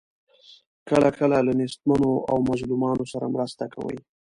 کله کله له نیستمنو او مظلومانو سره مرسته کوي.